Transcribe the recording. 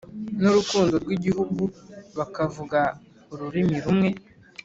n'urukundo rw'igihugu, bakavuga ururimi rumwe